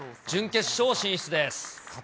準決勝進出です。